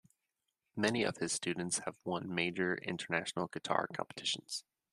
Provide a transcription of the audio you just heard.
Many of his students have won major international guitar competitions.